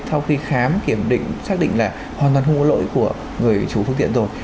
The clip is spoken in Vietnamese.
sau khi khám kiểm định xác định là hoàn toàn không có lỗi của người chủ phương tiện rồi